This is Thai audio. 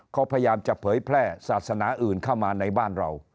เขาพยายามจะเผยแพร่ศาสนาอื่นเข้ามาในบ้านเรา